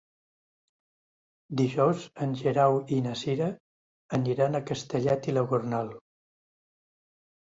Dijous en Guerau i na Cira aniran a Castellet i la Gornal.